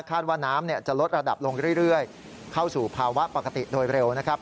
ว่าน้ำจะลดระดับลงเรื่อยเข้าสู่ภาวะปกติโดยเร็วนะครับ